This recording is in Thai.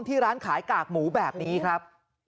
ร้านขายกากหมูแบบนี้ครับ